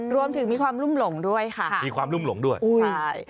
รวมถึงมีความรุ่มหลงด้วยค่ะมีความรุ่มหลงด้วยใช่